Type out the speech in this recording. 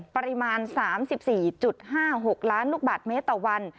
ประมาณ๓๔๕๖ล้านลูกบาทเมตรต่อวัน